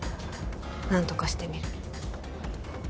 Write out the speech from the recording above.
何とかしてみる